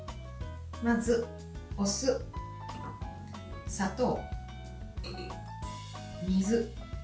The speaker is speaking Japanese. まず、お酢、砂糖、水。